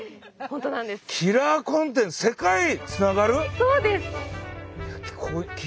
そうです！